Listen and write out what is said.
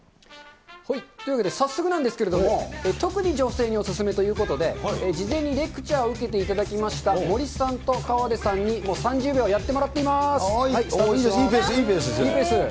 というわけで、早速なんですけど、特に女性にお勧めということで、事前にレクチャーを受けていただきました森さんと河出さんにもういいペース、いいペース。